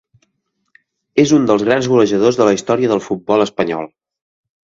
És un dels grans golejadors de la història del futbol espanyol.